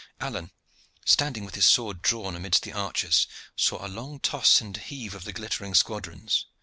Alleyne, standing with his sword drawn amidst the archers, saw a long toss and heave of the glittering squadrons.